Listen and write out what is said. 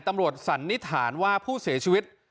ตำรวจสั่นนิถารว่าผู้เสียชีวิต